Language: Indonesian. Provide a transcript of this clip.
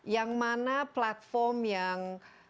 yang mana platform yang